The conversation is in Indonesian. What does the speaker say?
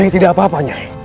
nyai tidak apa apa nyai